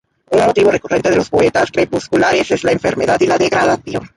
Un motivo recurrente de los poetas crepusculares es la enfermedad y la degradación.